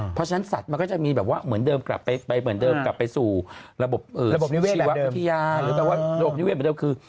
เพราะฉะนั้นสัตว์มันก็จะมีแบบว่าเหมือนเดิมกลับไปสู่ระบบนิเวศแบบเดิม